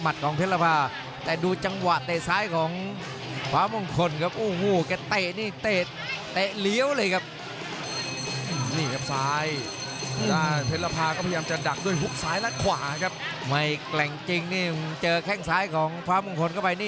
ไม่แกร่งจริงนะถ้าเจอแข่งซ้ายของฟ้ามงฺิรเข้าไป